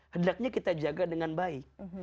hendaknya kita jaga dengan baik